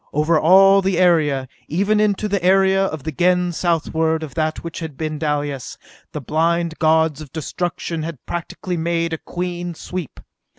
Over all the area, and even into the area of the Gens southward of that which had been Dalis, the blind gods of destruction had practically made a clean sweep.